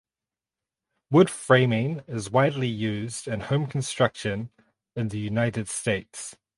Wood framing is widely used in home construction in the United States.